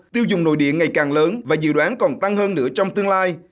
tiêu dùng nội địa ngày càng lớn và dự đoán còn tăng hơn nữa trong tương lai